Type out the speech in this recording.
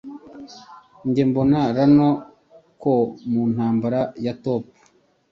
Njye mbona Lano ko mu ntambara ya Toppo